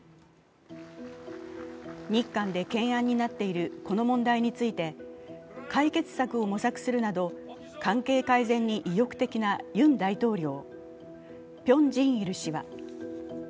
日韓で懸案になっているこの問題について解決策を模索するなど関係改善に意欲的なユン大統領。